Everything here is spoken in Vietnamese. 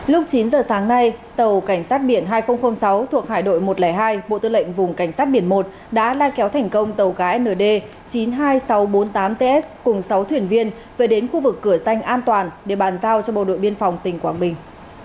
lúc chín giờ sáng nay tàu cảnh sát biển hai nghìn sáu thuộc hải đội một trăm linh hai bộ tư lệnh vùng cảnh sát biển một đã lai kéo thành công tàu cá nd chín mươi hai nghìn sáu trăm bốn mươi tám ts cùng sáu thuyền viên về đến khu vực cửa danh an toàn để bàn giao cho bộ đội biên phòng tỉnh quảng bình